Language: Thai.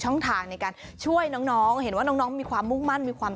ช่องทางในการช่วยน้องเห็นว่าน้องมีความมุ่งมั่นมีความ